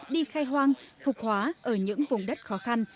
đi khai hoang phục hóa ở những vùng đất khó khăn